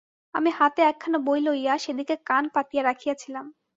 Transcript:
আমি হাতে একখানা বই লইয়া সেদিকে কান পাতিয়া রাখিয়াছিলাম।